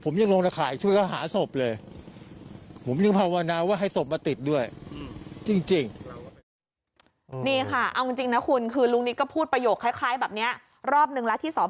นี่ค่ะเอาจริงจริงนะคุณคือลุงนิดก็พูดประโยชน์คล้ายแบบนี้รอบหนึ่งแล้วที่สพ